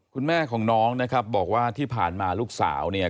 คุณแม่ของน้องนะครับบอกว่าที่ผ่านมาลูกสาวเนี่ย